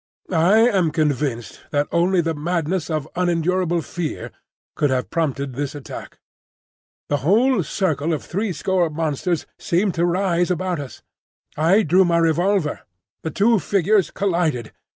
I am convinced that only the madness of unendurable fear could have prompted this attack. The whole circle of threescore monsters seemed to rise about us. I drew my revolver. The two figures collided.